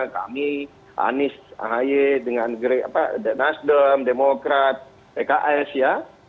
kami anies ahy dengan nasdem demokrat pks ya